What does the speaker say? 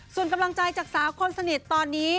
ส่วนกำลังใจจากสาวคนสนิทตอนนี้